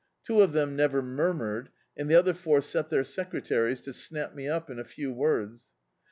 Two of them never murmured, and the other four set their secretaries to snap me up in a few words.